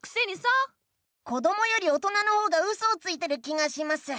こどもよりおとなの方がウソをついてる気がします。